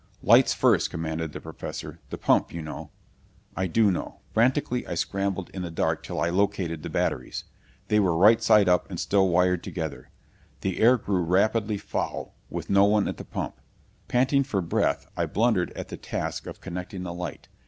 "Lights first," commanded the Professor. "The pump, you know." I did know! Frantically I scrambled in the dark till I located the batteries. They were right side up and still wired together. The air grew rapidly foul with no one at the pump. Panting for breath I blundered at the task of connecting the light.